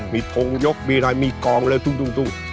มีทงยกมีรอยมีกองเลยทุ่ง